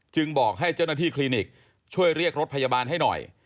บอกให้เจ้าหน้าที่คลินิกช่วยเรียกรถพยาบาลให้หน่อย